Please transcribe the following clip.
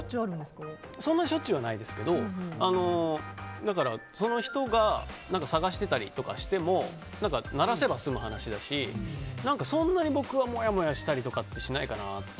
そんなにしょっちゅうはないですけどだから、その人が探していたりとかしても鳴らせば済む話だしそんなに僕はもやもやしないかな。